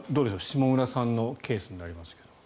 下村さんのケースになりますが。